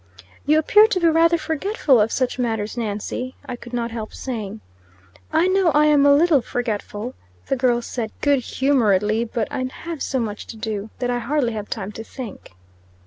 "You appear to be rather forgetful of such matters, Nancy," I could not help saying. "I know I am a little forgetful," the girl said, good humoredly, "but I have so much to do, that I hardly have time to think."